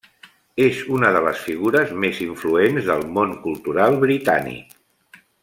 És una de les figures més influents del món cultural britànic.